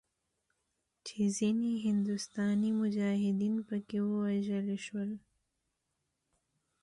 چې ځینې هندوستاني مجاهدین پکښې ووژل شول.